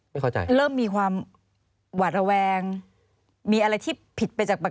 ไม่เข้าใจเริ่มมีความหวาดระแวงมีอะไรที่ผิดไปจากบาง